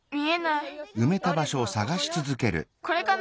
これかな。